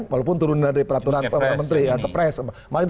walaupun turun dari peraturan menteri kepres